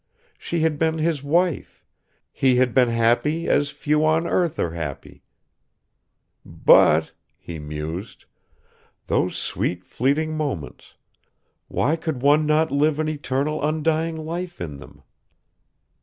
She had been his wife, he had been happy as few on earth are happy ... "But," he mused, "those sweet fleeting moments, why could one not live an eternal undying life in them?"